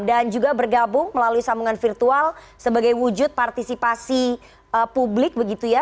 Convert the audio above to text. dan juga bergabung melalui sambungan virtual sebagai wujud partisipasi publik begitu ya